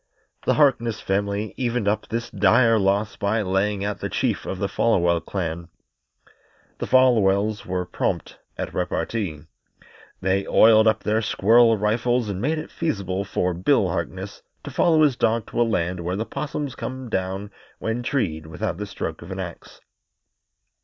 The Harkness family evened up this dire loss by laying out the chief of the Folwell clan. The Folwells were prompt at repartee. They oiled up their squirrel rifles and made it feasible for Bill Harkness to follow his dog to a land where the 'possums come down when treed without the stroke of an ax.